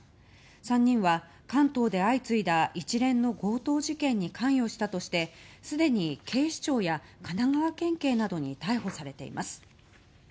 ３人は関東で相次いだ一連の強盗事件に関与したとしてすでに警視庁や神奈川県警などに逮捕されています。